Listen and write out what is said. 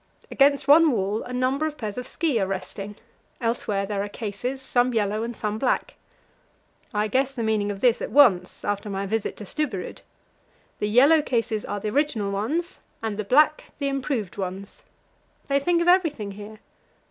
Against one wall a number of pairs of ski are resting; elsewhere there are cases, some yellow and some black. I guess the meaning of this at once, after my visit to Stubberud. The yellow cases are the original ones, and the black the improved ones. They think of everything here.